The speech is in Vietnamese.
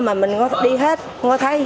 mà mình có đi hết có thấy